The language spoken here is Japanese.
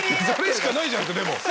それしかないじゃんでも。